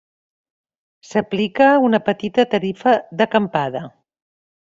S'aplica una petita tarifa d'acampada.